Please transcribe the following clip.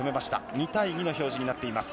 ２対２の表示になっています。